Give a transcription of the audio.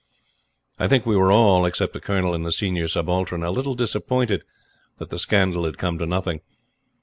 I think we were all, except the Colonel and the Senior Subaltern, a little disappointed that the scandal had come to nothing.